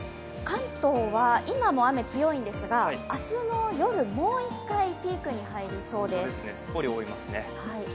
関東は今も雨、強いんですが、明日の夜、もう一回ピークに入りそうです。